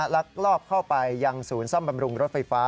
ลักลอบเข้าไปยังศูนย์ซ่อมบำรุงรถไฟฟ้า